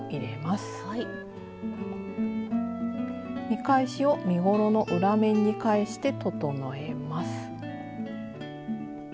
見返しを身ごろの裏面に返して整えます。